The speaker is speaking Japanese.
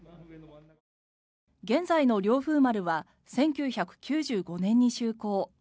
現在の「凌風丸」は１９９５年に就航。